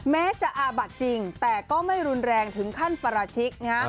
แม้จะอาบัดจริงแต่ก็ไม่รุนแรงถึงขั้นปราชิกนะฮะ